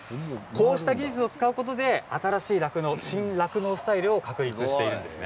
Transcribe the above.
こうした技術を使うことで新しい酪農のスタイルを確立しています。